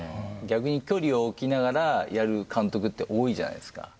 逆に距離を置きながらやる監督って多いじゃないですか。